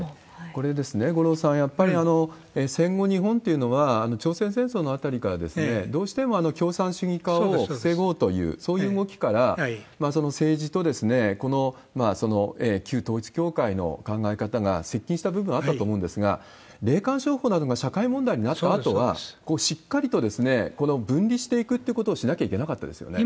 これですね、五郎さん、やっぱり戦後日本っていうのは、朝鮮戦争のあたりから、どうしても共産主義化を防ごうという、そういう動きから、その政治と、この旧統一教会の考え方が接近した部分、あったと思うんですが、霊感商法などが社会問題になったあとは、しっかりと、この分離していくってことをしなきゃいけなかったですよね。